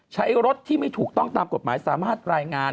ใช้รถที่ไม่ถูกต้องตามกฎหมายสามารถรายงาน